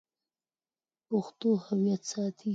پښتو هویت ساتي.